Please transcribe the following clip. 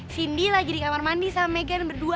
cindy lagi di kamar mandi sama meghan berdua